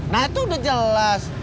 nah itu udah jelas